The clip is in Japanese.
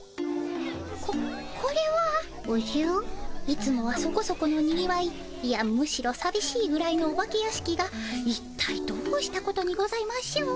いつもはそこそこのにぎわいいやむしろさびしいぐらいのお化け屋敷がいったいどうしたことにございましょう？